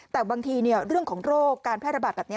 แต่บางทีเรื่องของโรคการแพร่ระบาดแบบนี้